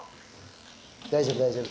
大丈夫大丈夫。